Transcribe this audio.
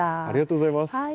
ありがとうございます。